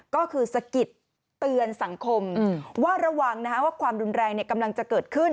ก็คือสะกิดเตือนสังคมว่าระวังว่าความรุนแรงกำลังจะเกิดขึ้น